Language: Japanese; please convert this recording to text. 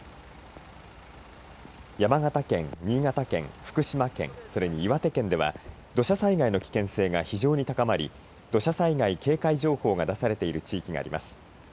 山形県、新潟県、福島県それに岩手県では土砂災害の危険性が非常に高まり土砂災害警戒情報が出されている地域があります。